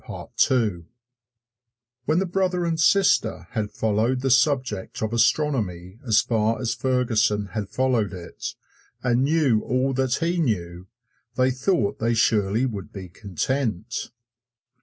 When the brother and sister had followed the subject of astronomy as far as Ferguson had followed it, and knew all that he knew, they thought they surely would be content.